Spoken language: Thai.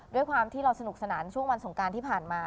ด้วยความที่เราสนุกสนานช่วงวันสงการที่ผ่านมา